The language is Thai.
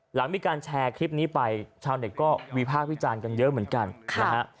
หลังมีการแชร์คลิปนี้ไปชาวเน็ตก็วิพากษ์วิจารณ์กันเยอะเหมือนกันนะฮะ